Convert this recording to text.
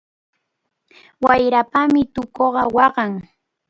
Waraypami tukuqa waqan.